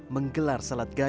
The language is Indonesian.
menggelar ke tempat yang jauh